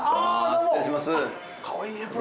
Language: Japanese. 失礼します。